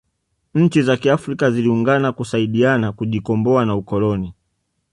nchi za afrika ziliungana kusaidiana kujikomboa na ukoloni